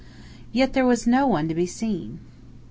Yet there was no one to be seen.